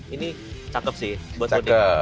ini cakep sih buat mudik